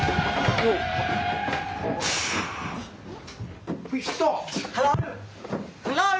おい！